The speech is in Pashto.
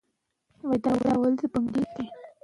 زده کوونکي بخښنه مطالعه کړي، چې د حماسي ادب برخه ده.